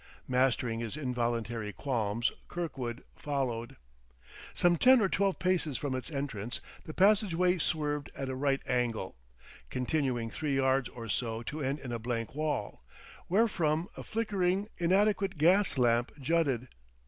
Mastering his involuntary qualms, Kirkwood followed. Some ten or twelve paces from its entrance the passageway swerved at a right angle, continuing three yards or so to end in a blank wall, wherefrom a flickering, inadequate gas lamp jutted.